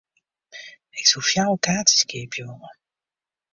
Ik soe fjouwer kaartsjes keapje wolle.